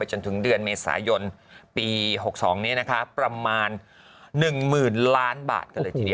จนถึงเดือนเมษายนปี๖๒ประมาณ๑๐๐๐๐ล้านบาท